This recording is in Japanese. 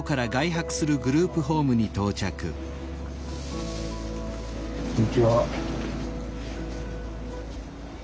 こんにちは。